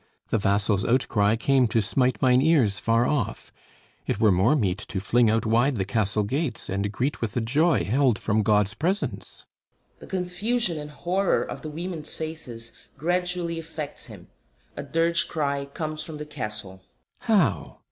The vassals' outcry came To smite mine ears far off. It were more meet To fling out wide the Castle gates, and greet With a joy held from God's Presence! [The confusion and horror of the Women's faces gradually affects him. A dirge cry comes from the Castle.] How?